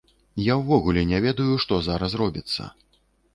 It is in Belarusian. Я ўвогуле не ведаю, што зараз робіцца.